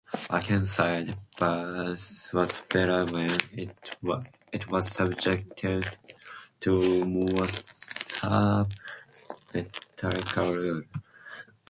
Akenside's verse was better when it was subjected to more severe metrical rules.